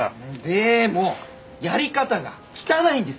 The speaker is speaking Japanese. でもやり方が汚いんですよ！